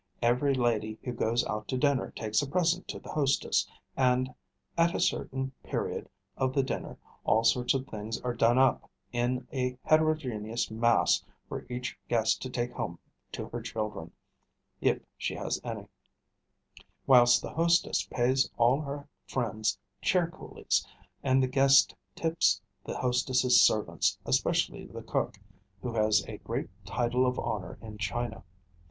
Every lady who goes out to dinner takes a present to the hostess; and at a certain period of the dinner all sorts of things are done up in a heterogeneous mass for each guest to take home to her children, if she has any; whilst the hostess pays all her friends' chair coolies, and the guest tips the hostess's servants, especially the cook, who has a great title of honour in China.